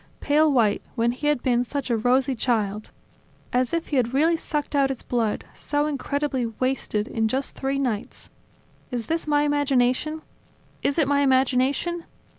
Pale white, when he had been such a rosy child! As if he had really sucked out his blood; so incredibly wasted, in just three nights! Is this my imagination? Is it my imagination?